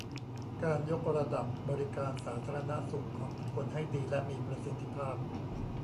การยกระดับบริการสาธารณสุขของทุกคนให้ดีและมีประสิทธิภาพ